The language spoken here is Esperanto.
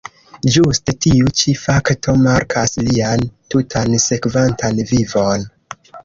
Ĝuste tiu ĉi fakto markas lian tutan sekvantan vivon.